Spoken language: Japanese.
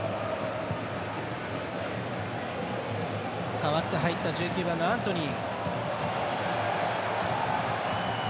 代わって入った１９番のアントニー。